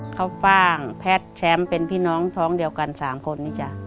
เขาฟ่างแพทย์แชมป์เป็นพี่น้องท้องเดียวกัน๓คนนี้จ้ะ